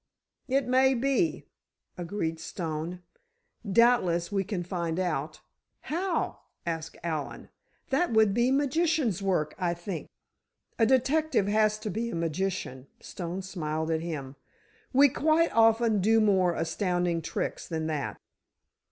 "It may be," agreed Stone. "Doubtless we can find out——" "How?" asked Allen. "That would be magician's work, I think." "A detective has to be a magician," Stone smiled at him. "We quite often do more astounding tricks than that."